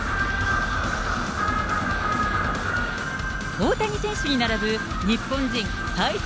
大谷選手に並ぶ日本人最速